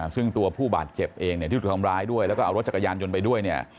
ซึ่งตัวผู้บาดเจ็บเองเนี่ยที่ถูกทำร้ายด้วยแล้วก็เอารถจักรยานยนต์ไปด้วยเนี่ย